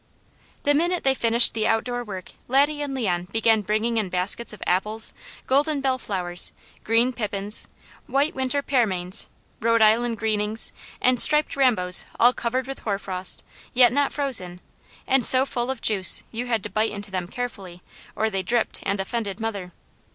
The minute they finished the outdoor work Laddie and Leon began bringing in baskets of apples, golden bellflowers, green pippins, white winter pearmains, Rhode Island greenings, and striped rambos all covered with hoarfrost, yet not frozen, and so full of juice you had to bite into them carefully or they dripped and offended mother.